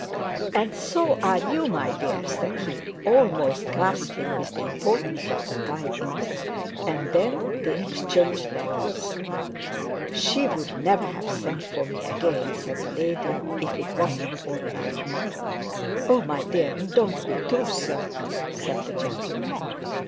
'And so are you, my dear,' said he, almost gasping with the importance of the tidings: and then they exchanged letters. 'She'd never have sent for me again,' said the lady, 'if it wasn't all right.' 'Oh! My dear, don't be too certain,' said the gentleman.